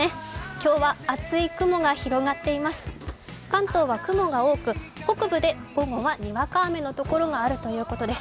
今日は厚い雲が広がっています。